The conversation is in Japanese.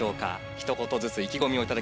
ひと言ずつ意気込みを頂きます。